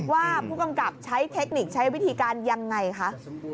ว่าผู้กำกับใช้เทคนิคใช้วิธีการยังไงคะ